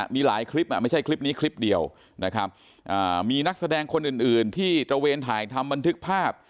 มีหลายคลิปไม่ใช่คลิปนี้คลิปเดียวนะครับมีนักแสดงคนอื่นอื่นที่ตระเวนถ่ายทำบันทึกภาพ